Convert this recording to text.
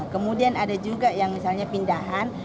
kemudian ada juga yang misalnya pindahan